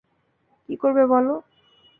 কী করবে বলো?